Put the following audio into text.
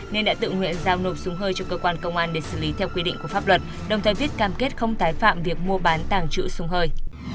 nên đã tự nguyện giao nộp súng hơi cho cơ quan công an để xử lý theo quy định của pháp luật đồng thời viết cam kết không tái phạm việc mua bán tàng trữ súng hơi